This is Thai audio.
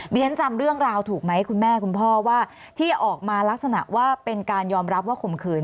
เรียนจำเรื่องราวถูกไหมคุณแม่คุณพ่อว่าที่ออกมาลักษณะว่าเป็นการยอมรับว่าข่มขืน